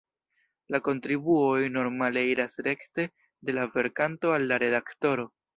La kontribuoj normale iras rekte de la verkanto al la redaktoro.